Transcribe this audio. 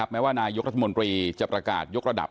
แม้ว่านายกรัฐมนตรีจะประกาศยกระดับ